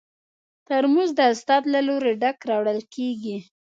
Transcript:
ترموز د استاد له لوري ډک راوړل کېږي.